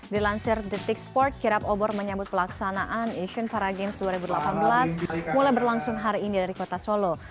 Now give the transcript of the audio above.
dilansir the tick sport kirap obor menyambut pelaksanaan asian para games dua ribu delapan belas mulai berlangsung hari ini dari kota solo